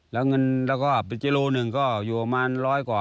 แล้วเงินแล้วก็ปิดกิโลหนึ่งก็อยู่ประมาณร้อยกว่า